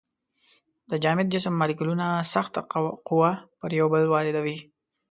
د جامد جسم مالیکولونه سخته قوه پر یو بل واردوي.